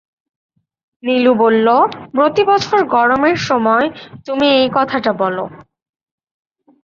নীলু বলল, প্রতি বছর গরমের সময় তুমি এই কথাটা বলো।